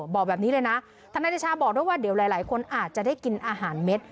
บอกแบบนี้เลยนะทนายเดชาบอกด้วยว่าเดี๋ยวหลายคนอาจจะได้กินอาหารเม็ด